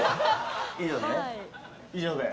以上で。